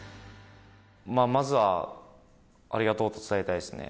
まずは、ありがとうと伝えたいですね。